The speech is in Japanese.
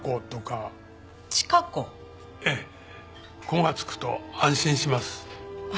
「子」がつくと安心します。